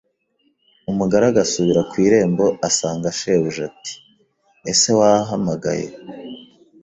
Umugaragu asubira ku irembo asanga shebuja ati ese wahamagaye